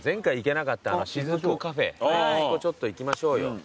あそこちょっと行きましょうよ。